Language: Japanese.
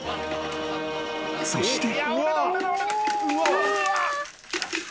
［そして］